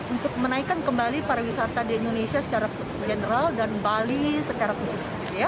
untuk menaikkan kembali para wisata di indonesia secara general dan bali secara fisis